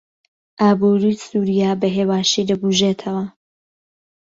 ئابووری سووریا بەهێواشی دەبوژێتەوە.